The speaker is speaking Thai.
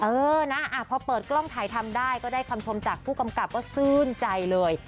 เออนะพอเปิดกล้องถ่ายทำได้ก็ได้คำชมจากผู้กำกับก็ชื่นใจเลย